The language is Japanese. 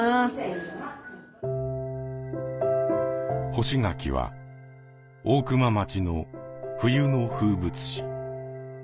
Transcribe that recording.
干し柿は大熊町の冬の風物詩。